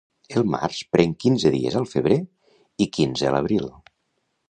El març pren quinze dies al febrer i quinze a l'abril.